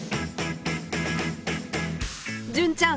純ちゃん